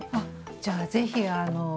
じゃあぜひ。